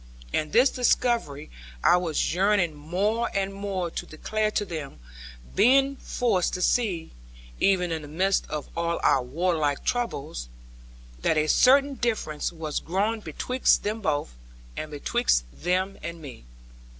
And this discovery I was yearning more and more to declare to them; being forced to see (even in the midst of all our warlike troubles) that a certain difference was growing betwixt them both, and betwixt them and me.